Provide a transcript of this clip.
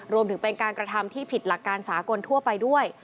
รวมถึงเป็นการกระทำที่ผิดหลักการสากลทั่วไปด้วย